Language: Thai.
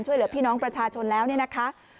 ช่วยเหลือพี่น้องประชาชนแล้วเนี่ยนะคะ